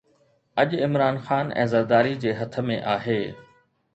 اڄ عمران خان ۽ زرداري جي هٿ ۾ آهي.